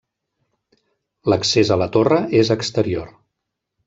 L'accés a la torre és exterior.